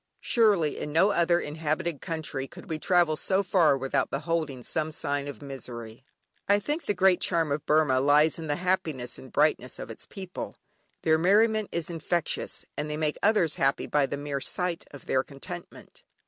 Surely in no other inhabited country could we travel so far without beholding some sign of misery. I think the great charm of Burmah lies in the happiness and brightness of its people; their merriment is infectious, and they make others happy by the mere sight of their contentment.